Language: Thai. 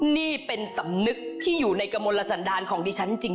นี่เป็นสำนึกที่อยู่ในกระมลสันดาลของดิฉันจริง